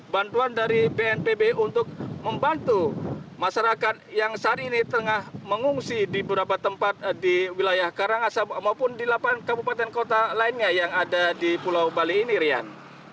bantuan dari bnpb untuk membantu masyarakat yang saat ini tengah mengungsi di beberapa tempat di wilayah karangasem maupun di delapan kabupaten kota lainnya yang ada di pulau bali ini rian